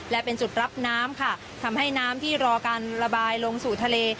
และเป็นจุดรับน้ำค่ะทำให้น้ำที่รอการระบายลงสู่ทะเล